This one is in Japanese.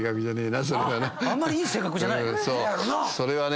あんまりいい性格じゃない⁉それはね